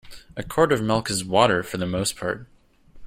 A quart of milk is water for the most part.